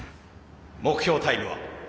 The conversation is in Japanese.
目標タイムは？